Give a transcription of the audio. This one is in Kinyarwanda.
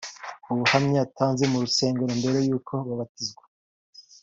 Mu buhamya yatanze mu rusengero mbere y’uko abatizwa